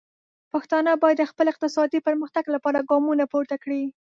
پښتانه باید د خپل اقتصادي پرمختګ لپاره ګامونه پورته کړي.